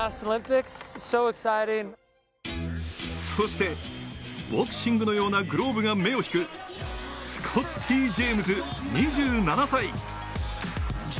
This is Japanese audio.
そしてボクシングのようなグローブが目を引くスコッティ・ジェームズ、２７歳。